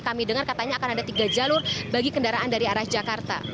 kami dengar katanya akan ada tiga jalur bagi kendaraan dari arah jakarta